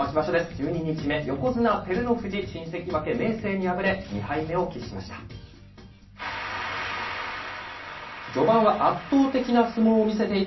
１２日目、横綱・照ノ富士、新関脇・明生に敗れ、２敗目を喫しました。